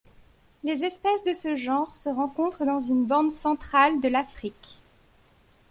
Les espèces de ce genre se rencontrent dans une bande centrale de l'Afrique.